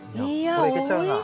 これいけちゃうな。